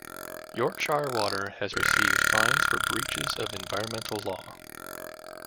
Yorkshire Water has received fines for breaches of environmental law.